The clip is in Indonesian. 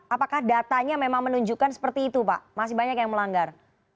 apakah datanya memang menunjukkan seperti itu pak masih banyak yang melanggar